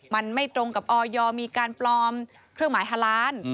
มันไม่ตรงกับออยมีการปลอมเครื่องหมายฮาล้าน